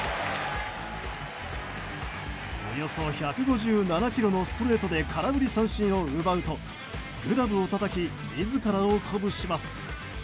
およそ１５７キロのストレートで空振り三振を奪うとグラブをたたき自らを鼓舞します。